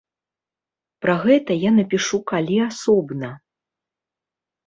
Пра гэта я напішу калі асобна.